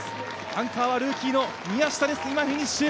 アンカーはルーキーの宮下です、今フィニッシュ。